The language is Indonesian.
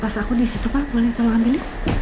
pa pas aku disitu pa boleh tolong ambilin